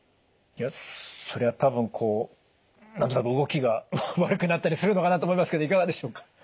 いやそれは多分こう何となく動きが悪くなったりするのかなと思いますけどいかがでしょうか？